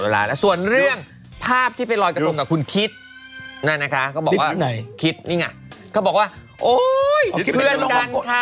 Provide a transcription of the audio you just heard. รู้ค่ะอย่างไรก็วิทยาลังเป็น